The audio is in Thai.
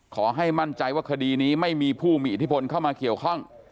ขอให้มั่นใจว่าคดีนี้ไม่มีผู้มีอิทธิพลเข้ามาเกี่ยวข้อง